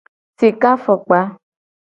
Sika fokpa.